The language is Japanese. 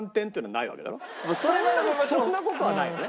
そんな事はないよね？